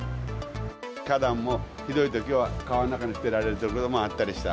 花壇もひどいときは川の中に捨てられたりする状況もあったりした。